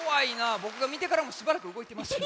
ぼくがみてからもしばらくうごいてましたよ。